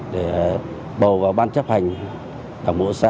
để bầu vào ban chấp hành đảng bộ xã